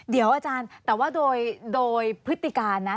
เดี๋ยวอาจารย์แต่ว่าโดยพฤติการนะ